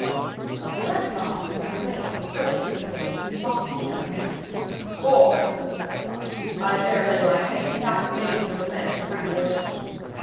But Sir Lancelot and Sir Gawaine reproached Sir Kay for his mocking of the young man, 'for,' said Sir Lancelot, 'I dare lay my head he hath the making of a man of great worship.'